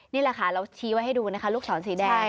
นี่แหละค่ะเราชี้ไว้ให้ดูนะคะลูกศรสีแดง